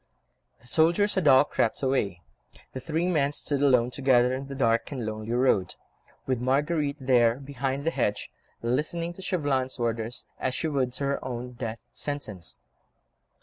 The soldiers had all crept away; the three men stood alone together in the dark and lonely road, with Marguerite there, behind the hedge, listening to Chauvelin's orders, as she would to her own death sentence.